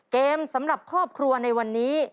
เกมสำหรับครอบครัวในวันนี้